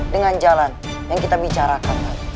dengan jalan yang kita bicarakan